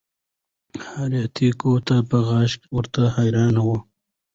د حیرت ګوته په غاښ ورته حیران وه